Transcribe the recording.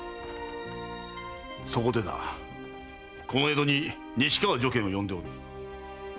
そこでだこの江戸に西川如見を呼んでおる。